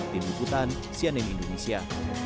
tim hukutan cnn indonesia